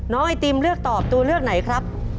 ไอติมเลือกตอบตัวเลือกไหนครับ